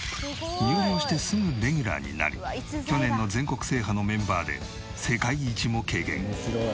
入寮してすぐレギュラーになり去年の全国制覇のメンバーで世界一も経験。